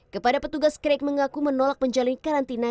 kepada petugas crack mengaku menolak menjalani karantina